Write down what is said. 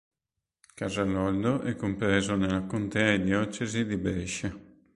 Casaloldo è compreso nella contea e diocesi di Brescia.